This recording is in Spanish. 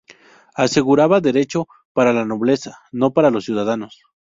Aseguraba derecho para la nobleza, no para los ciudadanos.